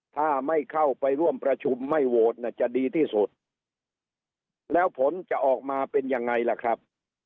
ถ้าไม่เข้าไปร่วมประชุมไม่โหวตจะดีที่สุดแล้วผลจะออกมาเป็นยังไงล่ะครับ